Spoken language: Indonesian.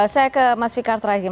saya ke mas fikar terakhir